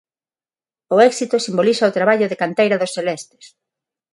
O éxito simboliza o traballo de canteira dos celestes.